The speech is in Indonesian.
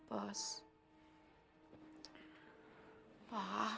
kata dokter aku kena gejala tipe